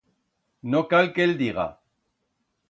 No cal que el diga.